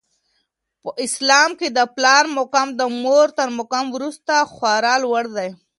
په اسلام کي د پلار مقام د مور تر مقام وروسته خورا لوړ دی.